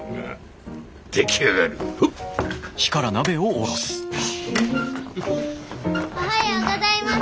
おはようございます。